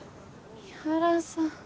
三原さん。